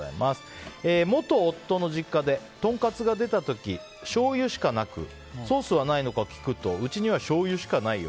元夫の実家でトンカツが出た時しょうゆしかなくソースはないのか聞くとうちにはしょうゆしかないよ。